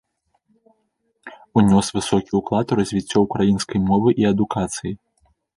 Унёс высокі ўклад у развіццё ўкраінскай мовы і адукацыі.